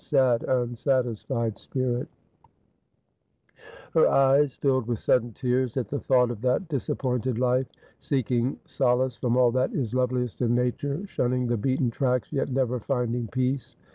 Sad, unsatisfied spirit !' Her eyes filled with sudden tears at the thought of that dis appointed life, seeking solace from all that is loveliest in Nature, shunning the beaten tracks, yet never finding peace.